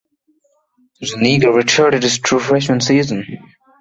Zuniga redshirted his true freshman season.